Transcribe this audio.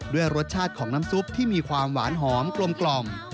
ด้วยรสชาติของน้ำซุปที่มีความหวานหอมกลม